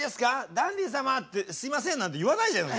「ダンディ様すいません」なんて言わないじゃないですか。